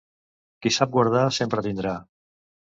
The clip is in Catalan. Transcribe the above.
Qui sap guardar, sempre tindrà.